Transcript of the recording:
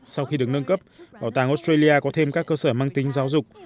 sau khi được nâng cấp bảo tàng australia có thêm các cơ sở mang tính giáo dục